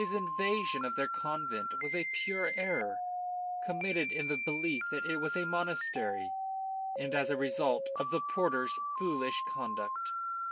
His invasion of their convent was a pure error, committed in the belief that it was a monastery and as a result of the porter's foolish conduct.